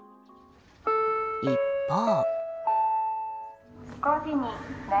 一方。